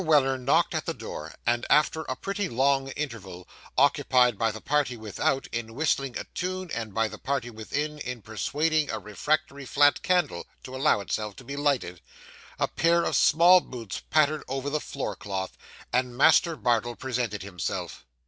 Weller knocked at the door, and after a pretty long interval occupied by the party without, in whistling a tune, and by the party within, in persuading a refractory flat candle to allow itself to be lighted a pair of small boots pattered over the floor cloth, and Master Bardell presented himself.